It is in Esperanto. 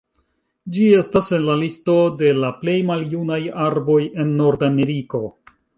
Ĝi estas en la listo de la plej maljunaj arboj en Nordameriko.